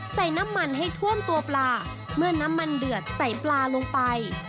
ใส่น้ำมันให้ท่วมตัวปลาเมื่อน้ำมันเดือดใส่ปลาลงไป